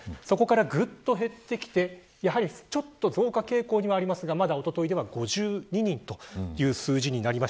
そこから、ぐっと減ってきてちょっと増加傾向にはありますがまだ、おとといでは５２人という数字です。